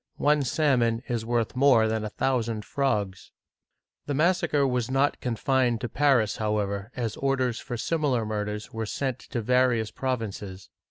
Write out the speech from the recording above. One salmon is worth more than a thousand frogs !" The massacre was not confined to Paris, however, as orders for similar murders were sent to various provinces.